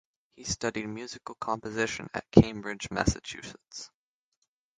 He studied musical composition at Cambridge, Massachusetts.